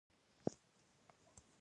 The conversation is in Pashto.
ده ته به د سوډان پاچهي ورکړي.